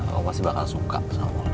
kau pasti bakal suka sama mall ini